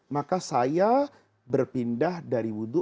maka saya berpindah dari wudhu